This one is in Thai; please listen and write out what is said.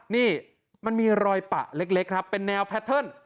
นี่มันมีรอยปะเล็กครับเป็นแนวแพทเทิร์น